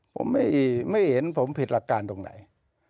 ผมไม่เห็นผมผิดหลักการตรงไหน